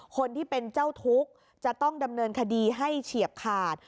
คนที่เป็นเจ้าทุกข์จะต้องดำเนินคดีให้เฉียบขาด